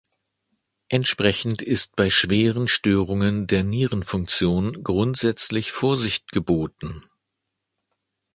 Entsprechend ist bei schweren Störungen der Nierenfunktion grundsätzlich Vorsicht geboten.